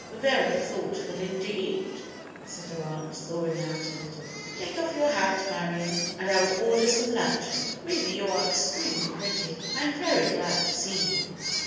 "Very thoughtful indeed!" said her aunt, thawing out a little. "Take off your hat, Marion, and I will order some luncheon. Really, you are extremely pretty. I am very glad to see you."